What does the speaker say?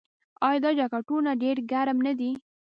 آیا دا جاکټونه ډیر ګرم نه دي؟